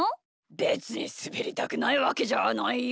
べつにすべりたくないわけじゃないよ。